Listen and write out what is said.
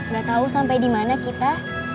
ga tau sampai dimana kita